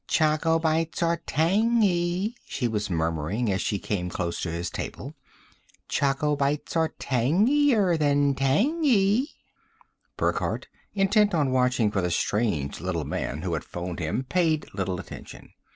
"Choco Bites are tangy," she was murmuring as she came close to his table. "Choco Bites are tangier than tangy!" Burckhardt, intent on watching for the strange little man who had phoned him, paid little attention.